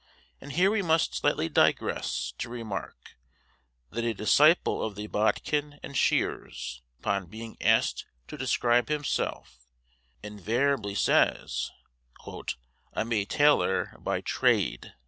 And here we must slightly digress to remark that a disciple of the bodkin and shears, upon being asked to describe himself, invariably says, "I'm a tailor by trade."